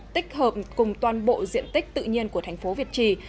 tích hợp cùng toàn bộ diện tích tự nhiên của thành phố việt trì